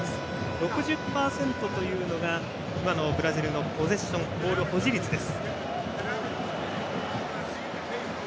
６０％というのが今のブラジルのポゼッションボール保持率です。